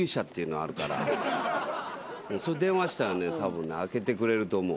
それ電話したらねたぶんね開けてくれると思う。